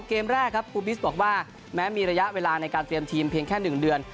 เกมแรกครับปูบิสบอกว่าแม้มีระยะเวลาในการเตรียมทีมเพียงแค่๑เดือน